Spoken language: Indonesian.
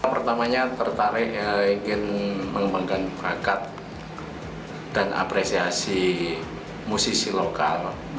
pertamanya tertarik ingin mengembangkan perangkat dan apresiasi musisi lokal